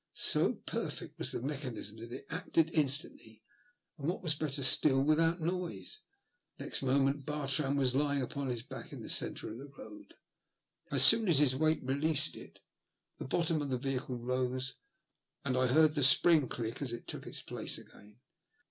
So perfect was the mechan ism that it acted instantly, and, what was better still, without noise. Next moment Bartrand was lying upon his back in the centre of the road. As soon as his weight released it the bottom of the vehicle rose, and I heard the spring click as it took its place again.